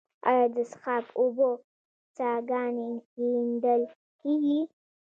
آیا د څښاک اوبو څاګانې کیندل کیږي؟